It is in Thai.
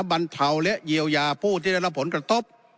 บรรเทาและเยียวยาผู้ที่ได้รับผลกระทบ